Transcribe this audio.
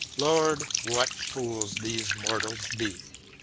Lord, what fools these mortals be